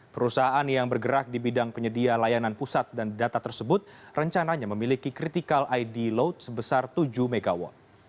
perusahaan yang bergerak di bidang penyedia layanan pusat dan data tersebut rencananya memiliki critical id load sebesar tujuh mw